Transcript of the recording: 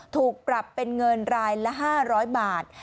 ถูกปรับเป็นเงินรายละ๕๐๐บาท